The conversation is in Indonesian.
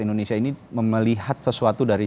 indonesia ini melihat sesuatu dari